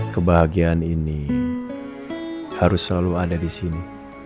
kebahagiaan ini harus selalu ada di sini